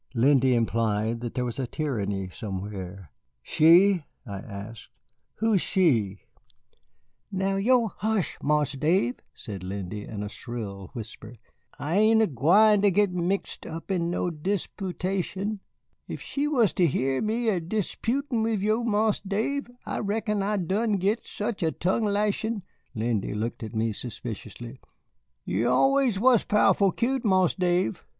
Lindy implied that there was tyranny somewhere. "She?" I asked, "who's she?" "Now yo' hush, Marse Dave," said Lindy, in a shrill whisper, "I ain't er gwine ter git mixed up in no disputation. Ef she was ter hear me er disputin' wid yo', Marse Dave, I reckon I'd done git such er tongue lashin' " Lindy looked at me suspiciously. "Yo' er allus was powe'rful cute, Marse Dave."